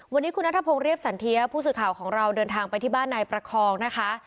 วันนี้คุณนัทพงศ์เรียบสันเทียผู้สื่อข่าวของเราเดินทางไปที่บ้านนายประคองนะคะ